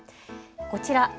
こちら。